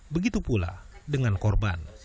begitu pula dengan korban